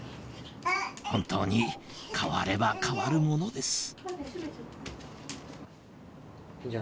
本当に変われば変わるものですえー